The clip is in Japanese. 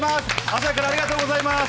朝早くからありがとうございます。